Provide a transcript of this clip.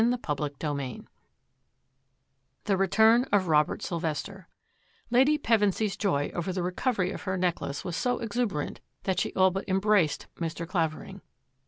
CHAPTER XIII THE RETURN OF ROBERT SYLVESTER Lady Pevensy's joy over the recovery of her necklace was so exuberant that she all but em braced Mr. Clavering.